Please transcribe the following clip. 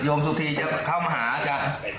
โยมสุธีเข้ามหาจ้ะ